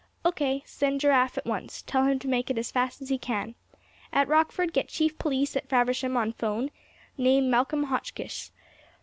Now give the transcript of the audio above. "O. K. Send Giraffe at once. Tell him to make it as fast as he can. At Rockford get Chief Police at Faversham on 'phone; name Malcolm Hotchkiss.